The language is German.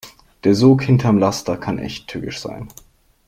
Der Sog hinterm Laster kann echt tückisch sein.